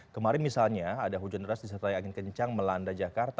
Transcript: kemarin misalnya ada hujan deras disertai angin kencang melanda jakarta